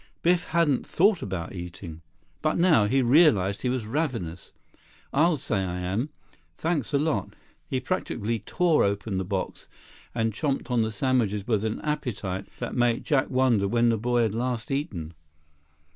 Biff hadn't thought about eating. But now, he realized he was ravenous. "I'll say I am. Thanks a lot." He practically tore open the box and chomped on the sandwiches with an appetite that made Jack wonder when the boy had last eaten.